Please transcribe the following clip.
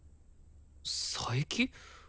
佐伯？